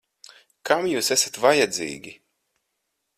Kam jūs esat vajadzīgi?